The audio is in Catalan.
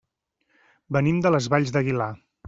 Venim de les Valls d'Aguilar.